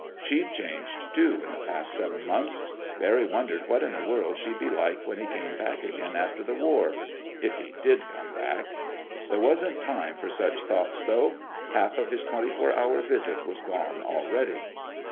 She'd changed, too, in the past seven months. Barry wondered what in the world she'd be like when he came back again, after the war ... if he did come back. There wasn't time for such thoughts, though. Half of his twenty four hour visit was gone already!